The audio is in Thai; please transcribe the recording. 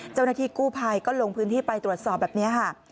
เจ้าหน้าที่กู้ภัยก็ลงพื้นที่ไปตรวจสอบแบบนี้ค่ะ